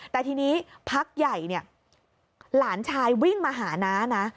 แต่ทีนี้พักใหญ่เนี่ยหลานชายวิ่งมาหาน้านะ